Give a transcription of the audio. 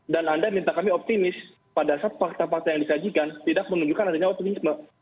dan anda minta kami optimis pada saat fakta fakta yang dikajikan tidak menunjukkan adanya waktu kini